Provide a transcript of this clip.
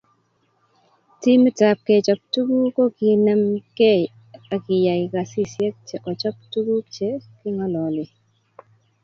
Timit ab kechob tukuk ko kinem ke koyay kasisiek kochop tukuk che kingolole